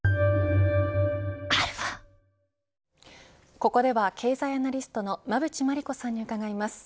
ここでは経済アナリストの馬渕磨理子さんに向かいます。